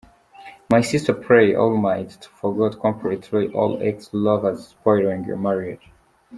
My sister pray almight to forget completly all ex lovers spoiling ur marriedge.